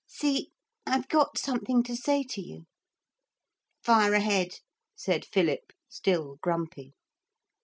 See? I've got something to say to you.' 'Fire ahead,' said Philip, still grumpy.